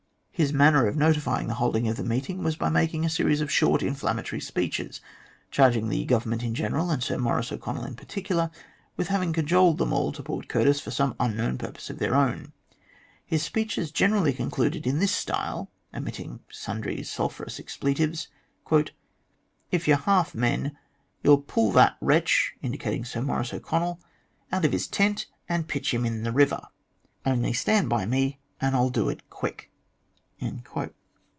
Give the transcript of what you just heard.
His manner of notifying the holding of the meeting was by making a series of short inflammatory speeches, charging the Government in general, and Sir Maurice O'Connell in particular, with having cajoled them all to Port Curtis for some unknown purpose of their own. His speeches generally concluded in this style, omitting sundry sulphurous expletives :" If you're half men, you'll pull that wretch (indicating Sir Maurice O'Connell) out of his tent and pitch him into the river. Only stand by me, and I'll do it quick.'